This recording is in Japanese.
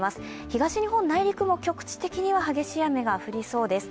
東日本、内陸も局地的には激しい雨が降りそうです。